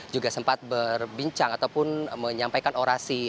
juga sempat berbincang ataupun menyampaikan orasi